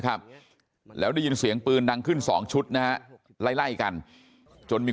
ครับแล้วได้ยินเสียงปืนดังขึ้นสองชุดนะฮะไล่ไล่กันจนมี